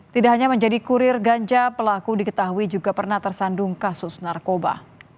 tidak hanya menjadi kurir ganja pelaku diketahui juga pernah tersandung kasus narkoba